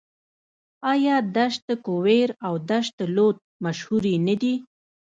آیا دشت کویر او دشت لوت مشهورې نه دي؟